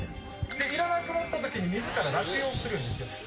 いらなくなったときに自ら落葉するんです。